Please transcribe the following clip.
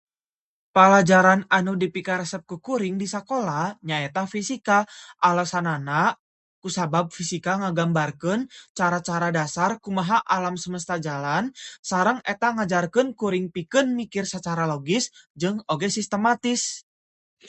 Palajaran anu dipikaresep ku kuring di sakola nyaeta fisika. Alesanana kusabab fisika ngagambarkeun cara-cara dasar kumaha alam semesta jalan sareng eta ngajarkeun kuring pikeun mikir sacara logis jeung oge sistematis.